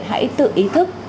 hãy tự ý thức